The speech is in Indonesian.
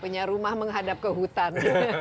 punya rumah menghadap ke hutan